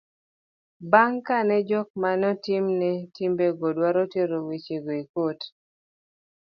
bang' kane jok mane otimne timbego dwa tero weche go e kot